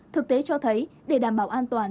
thực tế cho thấy để đảm bảo an toàn